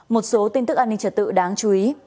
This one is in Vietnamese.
một số tin tức an ninh trật tự đáng chú ý